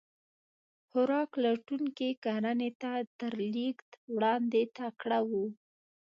خوراک لټونکي کرنې ته تر لېږد وړاندې تکړه وو.